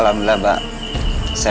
sungguh b suara